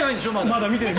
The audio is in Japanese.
まだ。